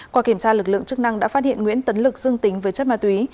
qua kiểm tra lực lượng chức năng đã phát hiện nguyễn tấn lực dưng tính với chất mạ tùy